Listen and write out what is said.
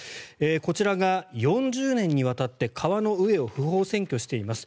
こちらが４０年にわたって川の上を不法占拠しています。